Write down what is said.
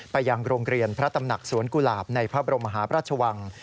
ไปยังโรงเรียนพระตำหนักสวนกุหลาบในพระบรมหาพระราชวัง